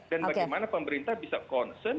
dan bagaimana pemerintah bisa concern